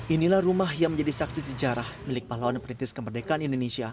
inilah rumah yang menjadi saksi sejarah milik pahlawan perintis kemerdekaan indonesia